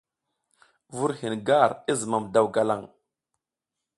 Vur hin gar i zimam daw galang.